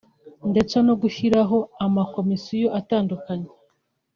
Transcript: ndetse no gushyiraho ama “commissions” atandukanye